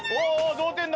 同点だ！